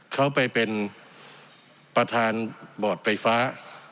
เขาไปเป็นประธานบอร์ดไฟฟ้า